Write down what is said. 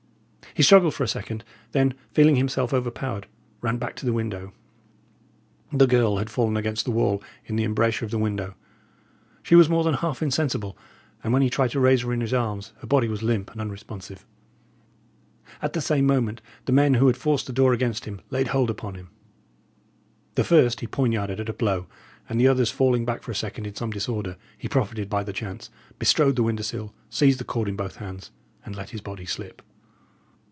He struggled for a second; then, feeling himself overpowered, ran back to the window. The girl had fallen against the wall in the embrasure of the window; she was more than half insensible; and when he tried to raise her in his arms, her body was limp and unresponsive. At the same moment the men who had forced the door against him laid hold upon him. The first he poinarded at a blow, and the others falling back for a second in some disorder, he profited by the chance, bestrode the window sill, seized the cord in both hands, and let his body slip.